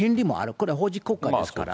これは法治国家ですから。